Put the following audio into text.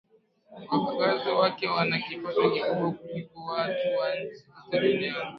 wakazi wake wana kipato kikubwa kuliko watu wa nchi zote duniani